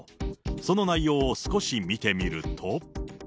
その内容を少し見てみると。